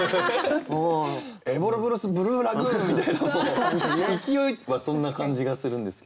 「エボルブルスブルーラグーン！」みたいな勢いはそんな感じがするんですけどね。